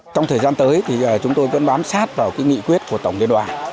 trong thời gian tới thì chúng tôi vẫn bám sát vào nghị quyết của tổng liên đoàn